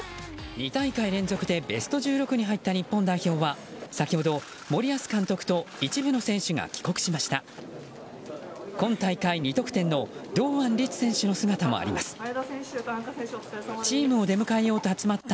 ２大会連続でベスト１６に入った日本代表は先ほど、森保監督と一部の選手が帰国しました。